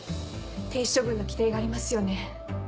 停止処分の規定がありますよね？